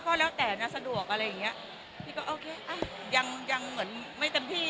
ก็แล้วแต่นะสะดวกอะไรอย่างเงี้ยพี่ก็โอเคอ่ะยังยังเหมือนไม่เต็มที่